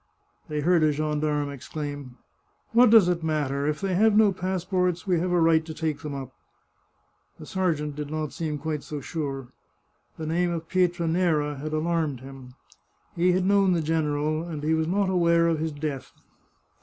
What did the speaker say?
They heard a gendarme exclaim :" What does it matter ? If they have no passports we have a right to take them up." The sergeant did not seem quite so sure. The name of Pietranera had alarmed him. He had known the general, and he was not aware of his death.